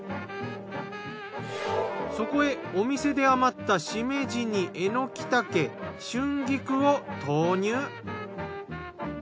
そこへお店で余ったしめじにえのき茸春菊を投入。